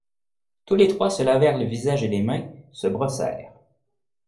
Tous les trois se lavèrent le visage et les mains, se brossèrent.